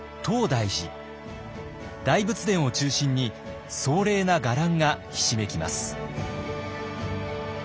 大仏殿を中心に壮麗な伽藍がひしめきます。